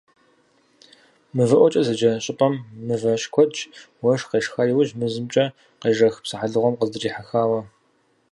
«МывэӀуэкӀэ» зэджэ щӀыпӀэм мывэ щыкуэдт, уэшх къешха иужь, мэзымкӀэ къежэх псыхьэлыгъуэм къыздрихьэхауэ.